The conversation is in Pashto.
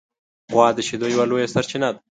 غوا د شیدو یوه لویه سرچینه ده.